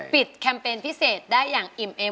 แคมเปญพิเศษได้อย่างอิ่มเอ็ม